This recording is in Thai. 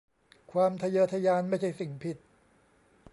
ความทะเยอทะยานไม่ใช่สิ่งผิด